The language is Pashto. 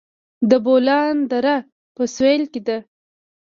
د بولان دره په سویل کې ده